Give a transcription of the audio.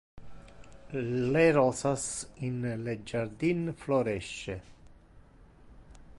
Le rosas in le jardin floresce.